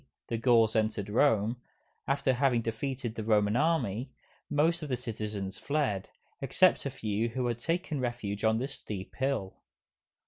the Gauls entered Rome, after having defeated the Roman Army, most of the citizens fled, except a few who had taken refuge on this steep hill.